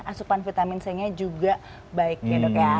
asupan vitamin c nya juga baiknya dok ya